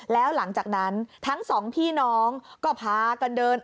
แล้วหลังจากนั้นทั้งสองพี่น้องก็พากันเดิน